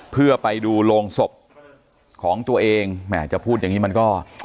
เพื่อไปดูโรงศพของตัวเองแหมจะพูดอย่างนี้มันก็